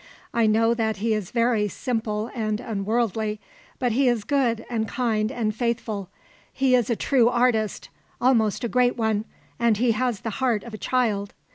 I know that he is very simple and unworldly; but he is good and kind and faithful; he is a true artist almost a great one, and he has the heart of a child.